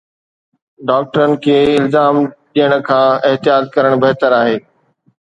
ڊاڪٽرن کي الزام ڏيڻ کان احتياط ڪرڻ بهتر آهي